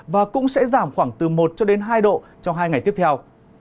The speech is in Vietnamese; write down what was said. và cũng sẽ giảm khoảng từ một cho đến hai độ trong hai ngày tiếp theo